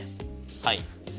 はい。